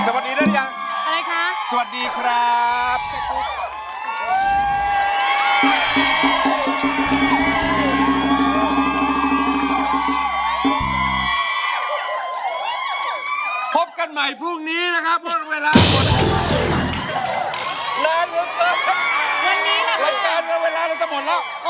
ก็ต้องแบบว่ามาแบบเรียบร้อยนิดหนึ่ง